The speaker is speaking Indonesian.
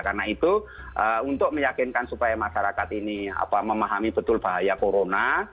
karena itu untuk meyakinkan supaya masyarakat ini memahami betul bahaya corona